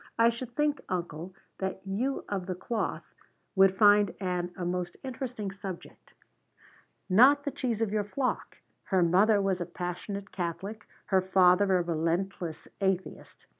I should think, uncle, that you of the cloth would find Ann a most interesting subject. Not that she's of your flock. Her mother was a passionate Catholic. Her father a relentless atheist.